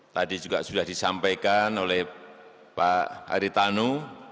tadi juga sudah disampaikan oleh pak haritanu